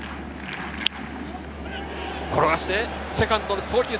転がしてセカンドに送球。